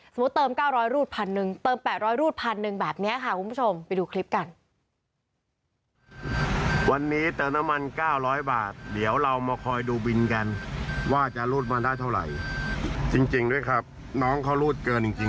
สมมุติเติมเก้าร้อยรูดพันนึงเติมแปดร้อยรูดพันนึงแปดแบบเนี่ยค่ะคุณผู้ชม